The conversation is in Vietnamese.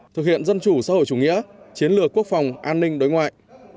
thực hiện dân chủ xã hội chủ nghĩa chiến lược quốc phòng an ninh đối ngoại